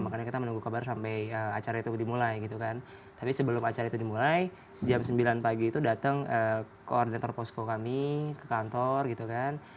makanya kita menunggu kabar sampai acara itu dimulai gitu kan tapi sebelum acara itu dimulai jam sembilan pagi itu datang koordinator posko kami ke kantor gitu kan